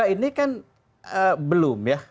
ini kan belum ya